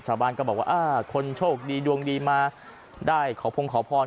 ชาวบ้านก็บอกว่าคนโชคดีดวงดีมาได้ขอพงขอพร